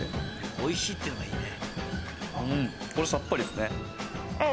・おいしいっていうのがいいね。